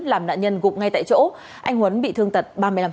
làm nạn nhân gục ngay tại chỗ anh huấn bị thương tật ba mươi năm